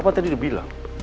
kan papa tadi udah bilang